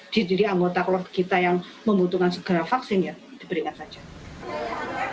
diri diri anggota keluarga kita yang membutuhkan segera vaksin ya diberikan saja